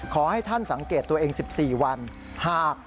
ขอให้ท่านสังเกตตัวเอง๑๔วันหาก